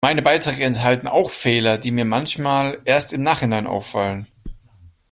Meine Beiträge enthalten auch Fehler, die mir manchmal erst im Nachhinein auffallen.